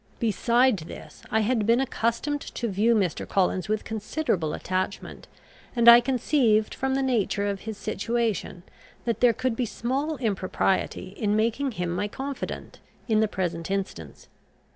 Beside this, I had been accustomed to view Mr. Collins with considerable attachment, and I conceived from the nature of his situation that there could be small impropriety in making him my confident in the present instance.